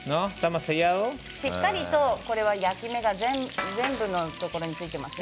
しっかりと焼き目が全部のところについていますね。